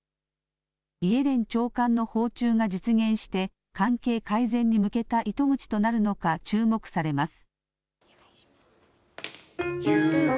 イエレン長官の訪中が実現して、関係改善に向けた糸口となるのか注目されます。